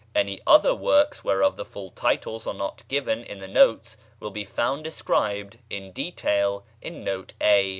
Any other works whereof the full titles are not given in the notes will be found described in detail in Note A.